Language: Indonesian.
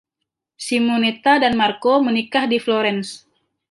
Simonetta dan Marco menikah di Florence.